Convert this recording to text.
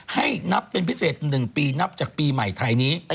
ให้นับเป็นพิเศษ๑ปีนับจากปีใหม่ไทยนี้